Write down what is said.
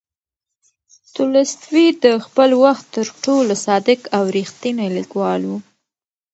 تولستوی د خپل وخت تر ټولو صادق او ریښتینی لیکوال و.